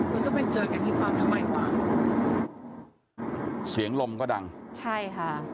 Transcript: ก็จะไปเจอกันอีกประมาณหนึ่งใหม่กว่าเสียงลมก็ดังใช่ค่ะ